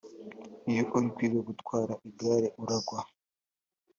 Iyo uri kwiga gutwara igare uragwa